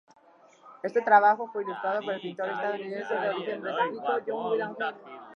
Este trabajo fue ilustrado por el pintor estadounidense de origen británico John William Hill.